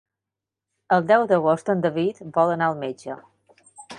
El deu d'agost en David vol anar al metge.